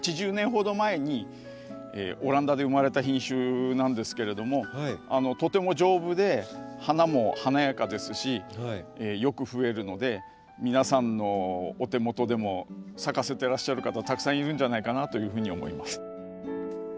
８０年ほど前にオランダで生まれた品種なんですけれどもとても丈夫で花も華やかですしよくふえるので皆さんのお手元でも咲かせてらっしゃる方たくさんいるんじゃないかなというふうに思います。